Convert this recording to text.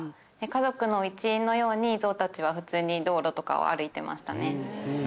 家族の一員のように、ゾウたちは普通に道路とかを歩いてましたね。